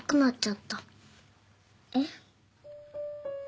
えっ？